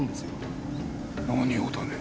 何をだね？